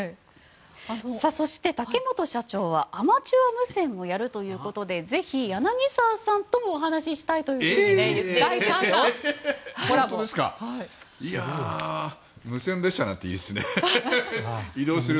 そして竹本社長はアマチュア無線もやるということでぜひ、柳澤さんともお話ししたいということで言っているそうですよ。